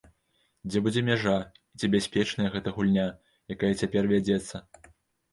Дзе будзе мяжа, і ці бяспечная гэтая гульня, якая цяпер вядзецца?